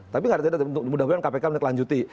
tapi gak ada tanda untuk mudah mudahan kpk meneklanjuti